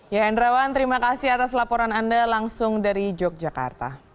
ya hendrawan terima kasih atas laporan anda langsung dari yogyakarta